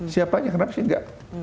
siap aja kenapa sih nggak